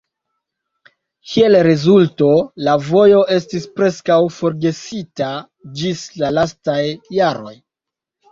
Kiel rezulto, la vojo estis preskaŭ forgesita ĝis la lastaj jaroj.